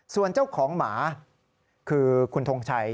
ส่วนเจ้าของหมาคือคุณทงชัย